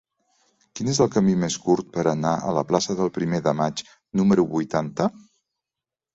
Quin és el camí més curt per anar a la plaça del Primer de Maig número vuitanta?